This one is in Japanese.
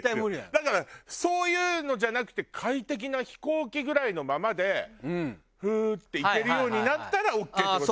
だからそういうのじゃなくて快適な飛行機ぐらいのままでふって行けるようになったらオーケーって事よね？